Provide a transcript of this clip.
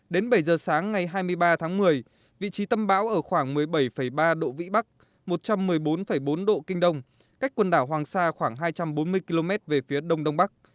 đến bảy giờ sáng ngày hai mươi ba tháng một mươi vị trí tâm bão ở khoảng một mươi bảy ba độ vĩ bắc một trăm một mươi bốn bốn độ kinh đông cách quần đảo hoàng sa khoảng hai trăm bốn mươi km về phía đông đông bắc